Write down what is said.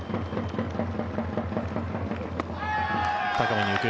高めに浮く。